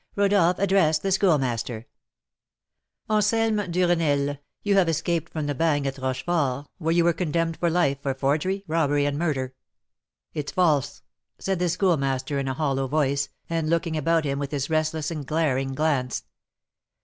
Rodolph addressed the Schoolmaster: "Anselm Duresnel, you have escaped from the Bagne at Rochefort, where you were condemned for life for forgery, robbery, and murder!" "It's false!" said the Schoolmaster, in a hollow voice, and looking about him with his restless and glaring glance.